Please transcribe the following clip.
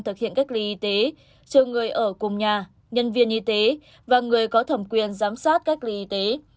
thực hiện cách ly y tế trừ người ở cùng nhà nhân viên y tế và người có thẩm quyền giám sát cách ly y tế